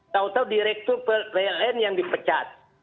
tahu tahu direktur pln yang dipecat